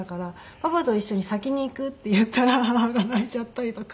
「パパと一緒に先に行く」って言ったら母が泣いちゃったりとか。